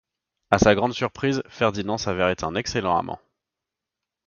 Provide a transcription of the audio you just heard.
À sa grande surprise, Ferdinand s'avère être un excellent amant.